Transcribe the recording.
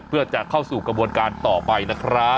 เพื่อจะเข้าสู่กระบวนการต่อไปนะครับ